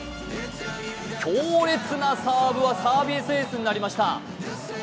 強烈なサーブはサービスエースになりました！